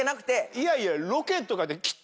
いやいや。